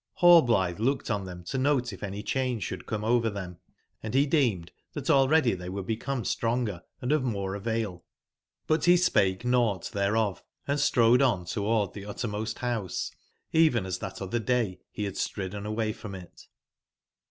Hallblithe looked on them to note if any change should come over them, and he deemed that already they were become stronger and of more avail. But he spake nought thereof, and strode on toward the Qttermost Rouse, even as that other day he had stridden away from it.